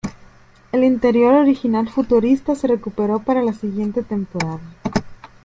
El interior original futurista se recuperó para la siguiente temporada.